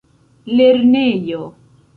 lernejo